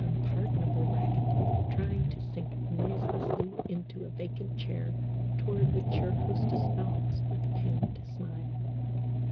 unpardonable racket trying to sink noiselessly into a vacant chair, toward which your hostess nods with a pained smile.